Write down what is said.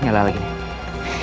nyalah lagi nih